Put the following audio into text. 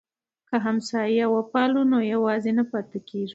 که همسایه وپالو نو یوازې نه پاتې کیږو.